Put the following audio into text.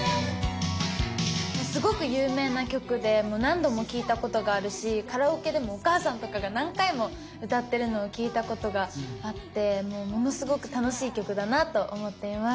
すごく有名な曲でもう何度も聞いたことがあるしカラオケでもお母さんとかが何回も歌ってるのを聞いたことがあってものすごく楽しい曲だなと思っています。